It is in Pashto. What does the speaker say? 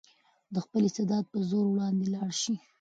د خپل استعداد په زور وړاندې لاړ شئ.